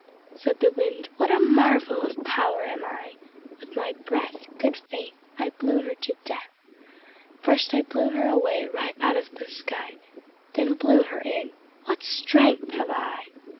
Said the Wind "What a marvel of power am I! With my breath, Good faith! I blew her to death First blew her away right out of the sky Then blew her in; what a strength have I!"